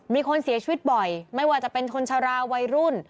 มีคนเสียชีวิตบ่อยไม่ว่าจะเป็นคนชราวัยรุ่น